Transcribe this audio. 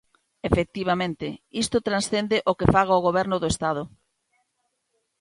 Efectivamente, isto transcende o que faga o Goberno do Estado.